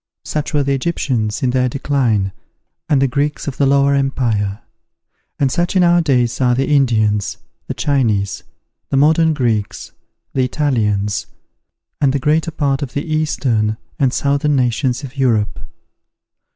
Such were the Egyptians in their decline, and the Greeks of the Lower Empire; and such in our days are the Indians, the Chinese, the modern Greeks, the Italians, and the greater part of the eastern and southern nations of Europe.